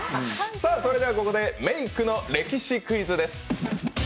それではここでメークの歴史クイズです。